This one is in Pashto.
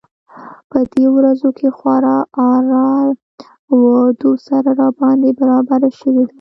په دې ورځو کې خورا اره و دوسره راباندې برابره شوې ده.